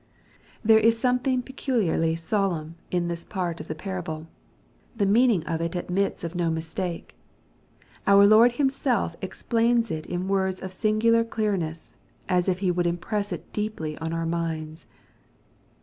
There is something peculiarly solemn in this part of the parable. The meaning of it ac^its of no mistake. Our Lord Himself explains it in words of singular clear ness, as if He would impress U deeply on our minds.